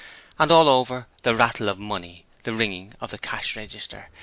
And over all the rattle of money, the ringing of the cash register.